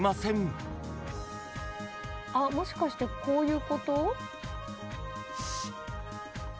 もしかしてこういうこと？